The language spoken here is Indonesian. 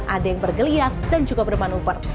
ada yang bergeliat dan juga bermanuver